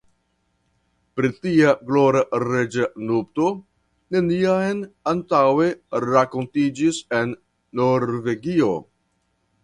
Pri tia glora reĝa nupto neniam antaŭe rakontiĝis en Norvegio.